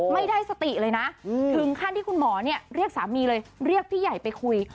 ไม่ได้สติเลยนะถึงขั้นที่คุณหมอเนี่ยเรียกสามีเลยเรียกพี่ใหญ่ไปคุย